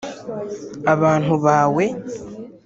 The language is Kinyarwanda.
Abantu bawe